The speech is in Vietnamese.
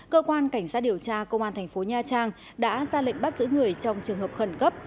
cơ quan cảnh sát điều tra công an thành phố nha trang đã ra lệnh bắt giữ người trong trường hợp khẩn cấp